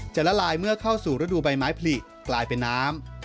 ละลายเมื่อเข้าสู่ฤดูใบไม้ผลิกลายเป็นน้ำ